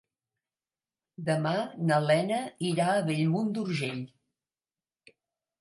Demà na Lena irà a Bellmunt d'Urgell.